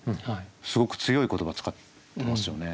すごく強い言葉使ってますよね。